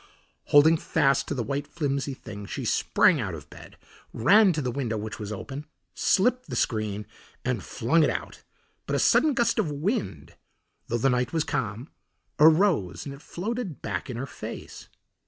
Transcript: Holding fast to the white flimsy thing, she sprang out of bed, ran to the window which was open, slipped the screen, and flung it out; but a sudden gust of wind, though the night was calm, arose and it floated back in her face.